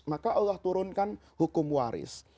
maka allah turunkan hukum waris